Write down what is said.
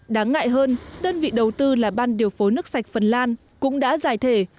đáng ngại hơn đơn vị đầu tư là ban điều phối nước sạch phần lan cũng đã giải thể